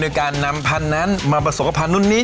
โดยการนำพันธุ์นั้นมาผสมกับพันธุ่นนี้